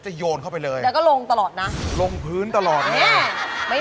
หมายเลข๑กระถางต้นไม้